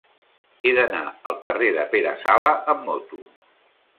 He d'anar al carrer de Pere Sala amb moto.